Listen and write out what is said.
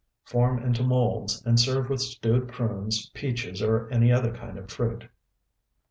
Form into molds, and serve with stewed prunes, peaches, or any other kind of fruit.